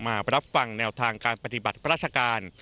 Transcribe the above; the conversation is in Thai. มารับฟังแนวทางการปฏิบัติราชการ